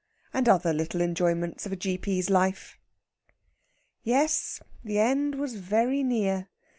And other little enjoyments of a G.P.'s life. Yes, the end was very near.